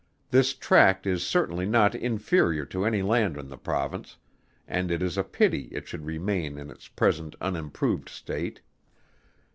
This tract is certainly not inferior to any land in the Province, and it is a pity it should remain in its present unimproved state.